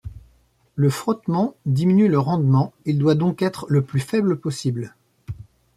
Le frottement diminue le rendement, il doit donc être le plus faible possible.